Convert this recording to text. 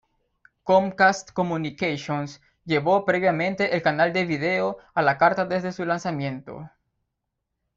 Comcast Communications llevó previamente el canal de vídeo a la carta desde su lanzamiento.